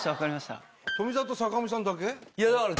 富澤と坂上さんだけ？